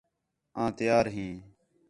آں تیار ھیں